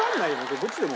どっちでも。